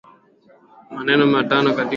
Maneno matano ama manne kwa sentensi